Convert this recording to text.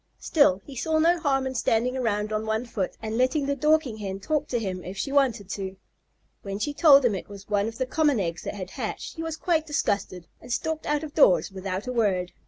Still, he saw no harm in standing around on one foot and letting the Dorking Hen talk to him if she wanted to. When she told him it was one of the common eggs that had hatched, he was quite disgusted, and stalked out of doors without a word.